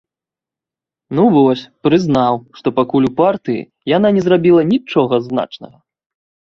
Ну, вось, прызнаў, што пакуль ў партыі, яна не зрабіла нічога значнага.